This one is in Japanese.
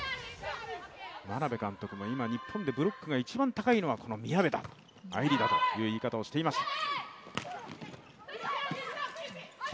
眞鍋監督も、今、日本でブロックが一番高いのはこの宮部藍梨だという言い方をしていました。